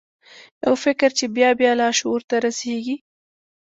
یو فکر چې بیا بیا لاشعور ته رسیږي